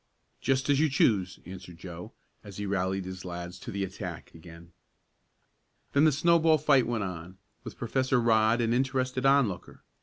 "Just as you choose," answered Joe, as he rallied his lads to the attack again. Then the snow ball fight went on, with Professor Rodd an interested onlooker.